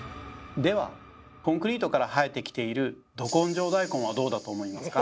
ではコンクリートから生えてきている「ど根性大根」はどうだと思いますか？